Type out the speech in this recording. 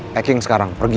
packing sekarang pergi